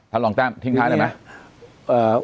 ท่านรองแท้มทิ้งท้ายได้ไหม